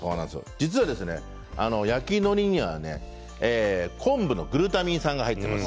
実は、焼きのりには昆布のグルタミン酸が入っています。